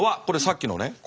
これさっきのね